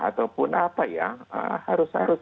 ataupun apa ya harus